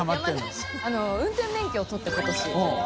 運転免許を取って今年。